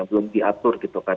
belum diatur gitu kan